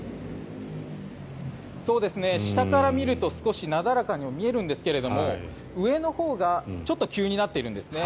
下から見ると少しなだらかにも見えるんですが上のほうがちょっと急になっているんですね。